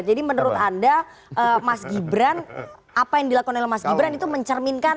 jadi menurut anda mas gibran apa yang dilakukan oleh mas gibran itu mencerminkan